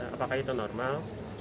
apakah itu normal